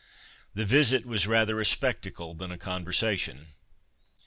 ...' The visit was rather a spec tacle than a conversation.'